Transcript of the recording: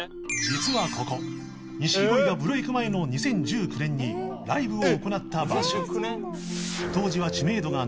実はここ錦鯉がブレーク前の２０１９年にライブを行った場所